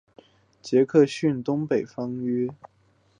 杰克逊东北方约。